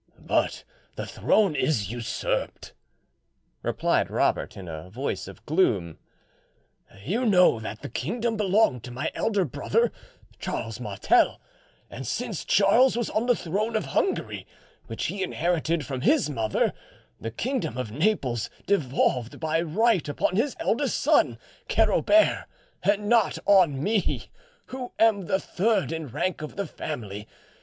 "But the throne is usurped," replied Robert in a voice of gloom; "you know that the kingdom belonged to my elder brother, Charles Martel; and since Charles was on the throne of Hungary, which he inherited from his mother, the kingdom of Naples devolved by right upon his eldest son, Carobert, and not on me, who am the third in rank of the family.